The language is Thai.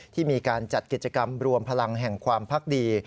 ที่มีการจัดกิจกรรมรวมพลังแห่งความพักดี